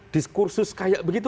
diskursus kayak begitu